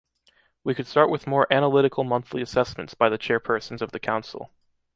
We could start with more analytical monthly assessments by the chairpersons of the Council.